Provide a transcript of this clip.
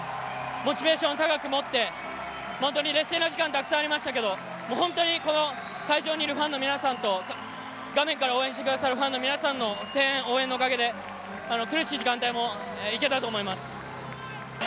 モチベーションを高く持って本当に劣勢な時間たくさんありましたけど本当にこの会場にいるファンの皆さんと画面から応援してくださるファンの皆さんの声援、応援のおかげで苦しい時間帯もいけたと思います。